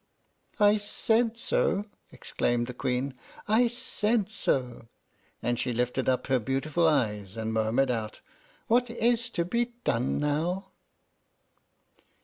"I said so!" exclaimed the Queen; "I said so!" and she lifted up her beautiful eyes, and murmured out, "What is to be done now?"